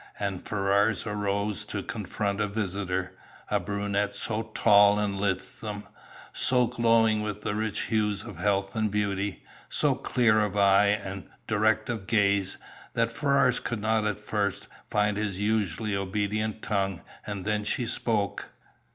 And Ferrars arose to confront a visitor, a brunette so tall and lissom, so glowing with the rich hues of health and beauty, so clear of eye, and direct of gaze, that Ferrars could not at first find his usually obedient tongue, and then she spoke.